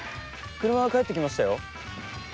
車が帰ってきましたよ。